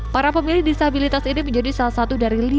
para pemilih disabilitas ini menjadi salah satu dari lima